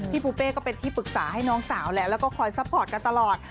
ปูเป้ก็เป็นที่ปรึกษาให้น้องสาวแล้วแล้วก็คอยซัพพอร์ตกันตลอด